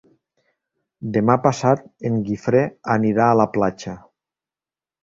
Demà passat en Guifré anirà a la platja.